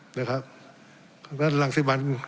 เพราะฉะนั้นหลังที่มัน